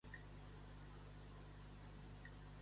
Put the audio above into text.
El tambor ple no fa el so clar.